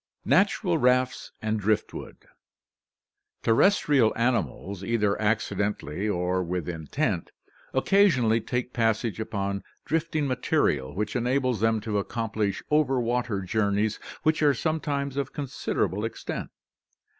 Natural Rafts and Driftwood. — Terrestrial animals, either accidentally or with intent, occasionally take passage upon drift ing material which enables them to accomplish over water journeys which are sometimes of considerable extent.